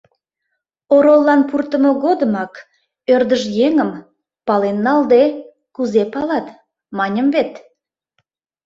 Ороллан пуртымо годымак «ӧрдыж еҥым, пален налде, кузе палат» маньым вет.